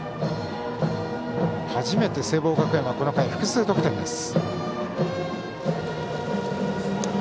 初めて聖望学園はこの回複数得点です。